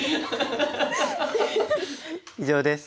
以上です。